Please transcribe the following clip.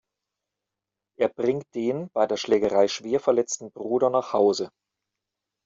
Er bringt den bei der Schlägerei schwer verletzten Bruder nach Hause.